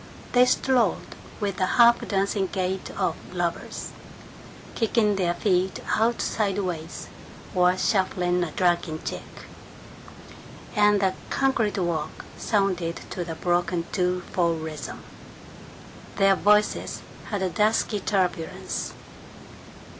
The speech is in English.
They strolled with the half dancing gait of lovers, kicking their feet out sideways or shuffling a dragging jig, and the concrete walk sounded to the broken two four rhythm. Their voices had a dusky turbulence.